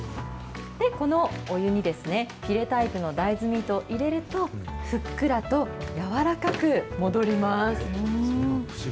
このお湯にフィレタイプの大豆ミートを入れると、ふっくらと柔らかく戻ります。